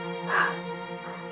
raja yang baik